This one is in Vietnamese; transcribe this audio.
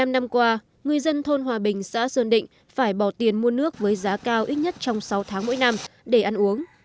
một mươi năm năm qua người dân thôn hòa bình xã sơn định phải bỏ tiền mua nước với giá cao ít nhất trong sáu tháng mỗi năm để ăn uống